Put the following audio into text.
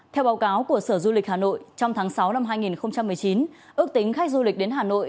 theo báo cáo của sở du lịch hà nội trong tháng sáu năm hai nghìn một mươi chín ước tính khách du lịch đến hà nội